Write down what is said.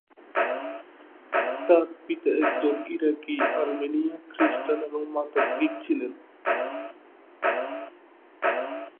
তার পিতা একজন ইরাকি-আর্মেনীয় খ্রিস্টান এবং মাতা গ্রিক ছিলেন।